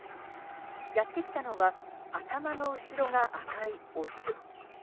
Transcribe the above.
やって来たのは頭の後ろが赤いオス。